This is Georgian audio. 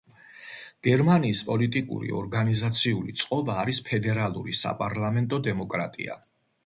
გერმანიის პოლიტიკური ორგანიზაციული წყობა არის ფედერალური საპარლამენტო დემოკრატია.